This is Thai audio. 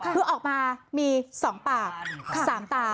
คือออกมามี๒ปาก๓ตา